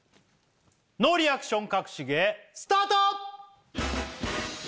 ノーリアクションかくし芸スタート！